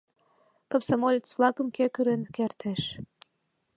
Комсомолец-влакым кӧ кырен кертеш?!.